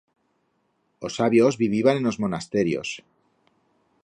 Os sabios viviban en os monasterios.